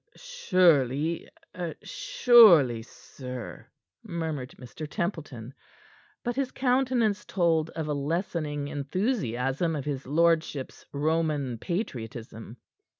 "Surely, surely, sir," murmured Mr. Templeton, but his countenance told of a lessening enthusiasm in his lordship's Roman patriotism.